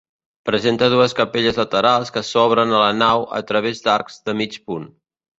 Presenta dues capelles laterals que s'obren a la nau a través d'arcs de mig punt.